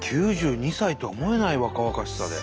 ９２歳とは思えない若々しさで。